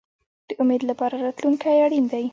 د امید لپاره راتلونکی اړین دی